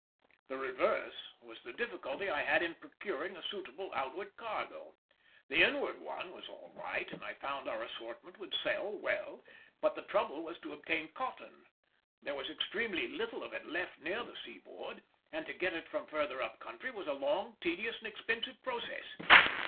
The reverse was the difficulty I had in procuring a suitable outward cargo; the inward one was all right, and I found our assortment would sell well, but the trouble was to obtain cotton: there was extremely little of it left near the seaboard, and to get it from further up country was a long, tedious, and expensive process.